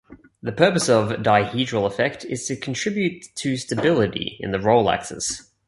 The purpose of dihedral effect is to contribute to stability in the roll axis.